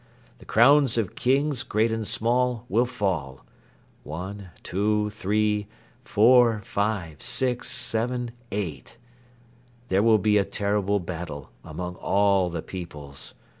The crowns of kings, great and small, will fall ... one, two, three, four, five, six, seven, eight. ... There will be a terrible battle among all the peoples.